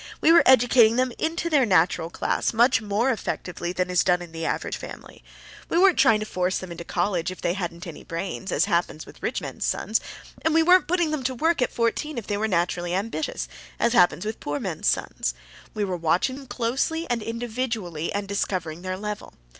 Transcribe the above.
We were educating them INTO their natural class much more effectually than is done in the average family. We weren't trying to force them into college if they hadn't any brains, as happens with rich men's sons; and we weren't putting them to work at fourteen if they were naturally ambitious, as happens with poor men's sons. We were watching them closely and individually and discovering their level.